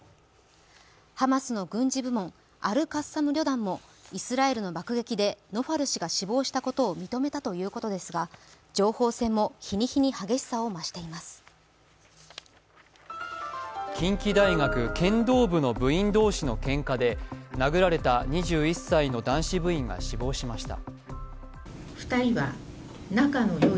ハマスの軍事部門アル・カッサム旅団もイスラエルの爆撃でノファル氏が死亡したことを認めたということですが情報戦も日に日に激しさを増しています近畿大学剣道部の部員同士のけんかで殴られた２１歳の男子部員が死亡しました。